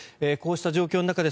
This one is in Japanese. こうした状況の中